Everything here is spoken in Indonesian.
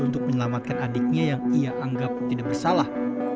untuk menyelamatkan adiknya yang ia anggap tidak bersalah